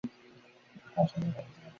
আসলে এ-রকম কিছু ঘটছে না।